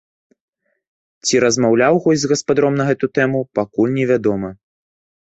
Ці размаўляў госць з гаспадаром на гэту тэму, пакуль не вядома.